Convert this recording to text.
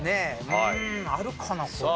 うーんあるかなこれ。